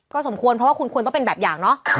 สมควรเพราะว่าคุณควรต้องเป็นแบบอย่างเนอะ